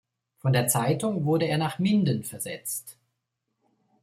Von der Zeitung wurde er nach Minden versetzt.